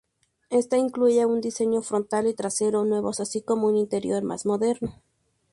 Esta incluía un diseño frontal y trasero nuevos, así como un interior más moderno.